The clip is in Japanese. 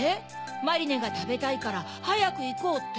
「マリネがたべたいからはやくいこう」って？